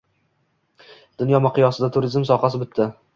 Dunyo miqyosida turizm sohasida bitta